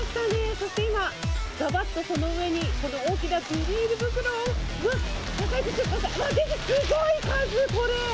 そして今、がばっとその上に、大きなビニール袋を、すごい、わっ、出てきた、すごい数、これ。